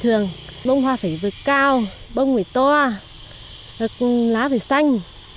thường bông hoa phải vượt cao bông phải to lá phải xanh